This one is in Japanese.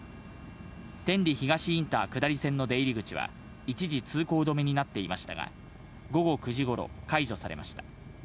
天理東インター下り線の出入り口は、一時通行止めになっていましたが、午後９時ごろ、解除されました。